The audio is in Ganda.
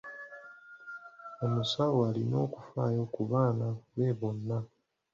Omusawo alina okufaayo ku baana be bonna.